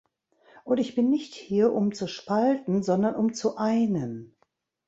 Und ich bin nicht hier, um zu spalten, sondern um zu einen.